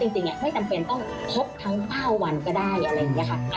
จริงไม่จำเป็นต้องครบทั้ง๕วันก็ได้อะไรอย่างนี้ค่ะ